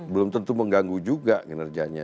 belum tentu mengganggu juga kinerjanya